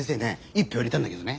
１票入れたんだけどね